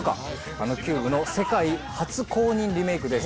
あの『ＣＵＢＥ』の世界初公認リメイクです。